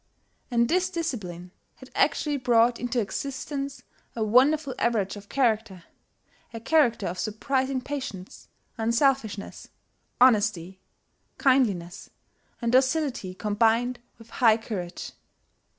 And this discipline had actually brought into existence a wonderful average of character, a character of surprising patience, unselfishness, honesty, kindliness, and docility combined with high courage.